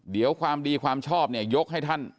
เดี๋ยวความดีความชอบเนี่ยยกให้ท่าน